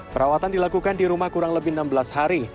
perawatan dilakukan di rumah kurang lebih enam belas hari